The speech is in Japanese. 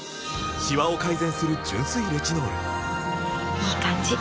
いい感じ！